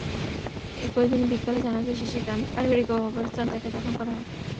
একই দিন বিকেলে জানাজা শেষে গ্রামের পারিবারিক কবরস্থানে তাঁকে দাফন করা হয়।